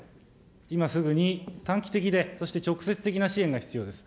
今すぐに短期的で、そして直接的な支援が必要です。